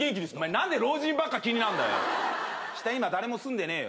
なんで老人ばっか気になんだよ下今誰も住んでねえよ